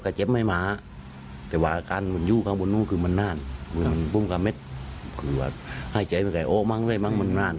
ทำอยู่ประจำคืออะไรไงคือว่าขึ้นได้ไร